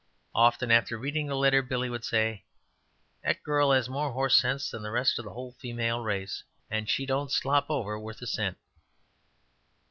Often after reading the letter, Billy would say: "That girl has more horse sense than the rest of the whole female race she don't slop over worth a cent."